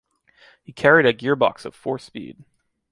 He carried a gearbox of four speed.